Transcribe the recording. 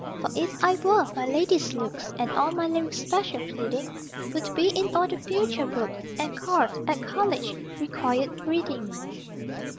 For if I were, my lady's looks And all my lyric special pleading Would be in all the future books, And called, at college, Required Reading.